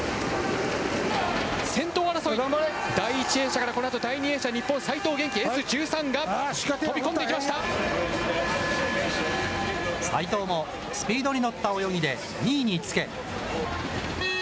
先頭争い、第１泳者からこのあと第２泳者、日本、齋藤元希、Ｓ１３が飛び込齋藤もスピードに乗った泳ぎで２位につけ。